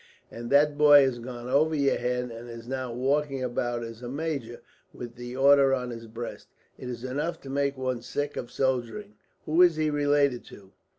"And that boy has gone over your head, and is now walking about as a major, with the order on his breast. It is enough to make one sick of soldiering. Who is he related to?"